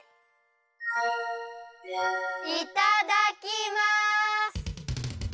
いただきます！